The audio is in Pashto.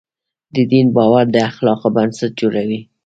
د دین باور د اخلاقو بنسټ جوړوي.